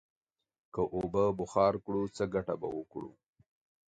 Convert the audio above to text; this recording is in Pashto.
که اوبه بخار کړو، څه گټه به وکړو؟